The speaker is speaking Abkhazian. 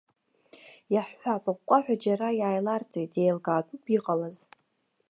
Иаҳҳәап, аҟәҟәаҳәа џьара иааиларҵеит еилкаатәуп иҟалаз.